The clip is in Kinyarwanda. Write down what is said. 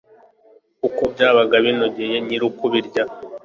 kuko byabaga binogeye nyir'ukubirya